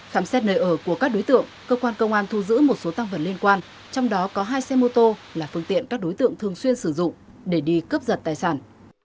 khám xét nơi ở của các đối tượng cơ quan công an thu giữ một số tăng vật liên quan trong đó có hai xe mô tô là phương tiện các đối tượng thường xuyên sử dụng để đi cướp giật tài sản